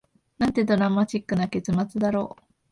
なんてドラマチックな結末だろう